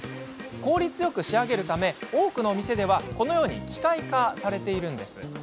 効率よく仕上げるため多くの店では、このように機械化されているんです。